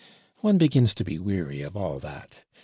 One begins to be weary of all that.